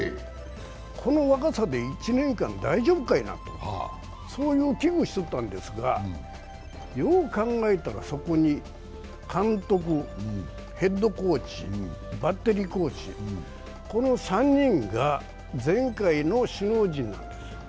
この若さで１年間、大丈夫かいなと、そういう危惧をしとったんですが、よう考えたらそこに監督、ヘッドコーチ、バッテリーコーチ、この３人が前回の首脳陣なんです。